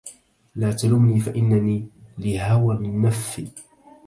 لا تلمني فإنني لهوى النف